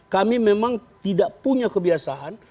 kami memang tidak punya kebiasaan